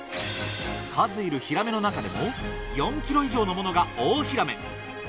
数いるヒラメの中でも４ｋｇ以上のものが大ヒラメ。